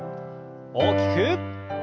大きく。